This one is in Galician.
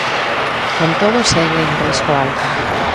Con todo, segue en risco alto.